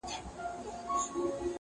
په کښتیو په جالو کي سپرېدلې؛